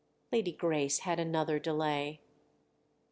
Lady Grace had another delay.